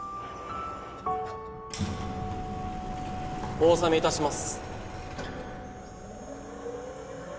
・お納めいたします